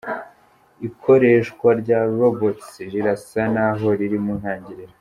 Ikoreshwa rya’Robots’ rirasa naho riri mu ntangiriro.